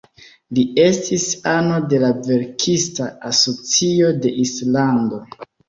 Li estis ano de la verkista asocio de Islando.